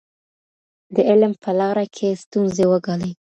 د علم په لاره کي ستونزې وګالئ.